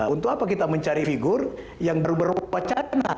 untuk apa kita mencari figur yang berupa wacana